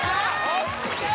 ＯＫ！